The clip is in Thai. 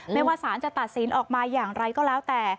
ไม่ว่าสารจะตัดสินออกมาอย่างไรก็แล้วแต่